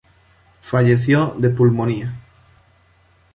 Falleció de pulmonía.